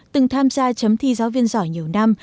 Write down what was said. từng tham gia chấm thi giáo viên giỏi nhiều năm